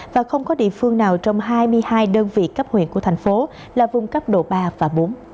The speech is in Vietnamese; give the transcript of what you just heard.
và không có địa phương nào trong hai mươi hai đơn vị cấp huyện của thành phố là vùng cấp độ ba và bốn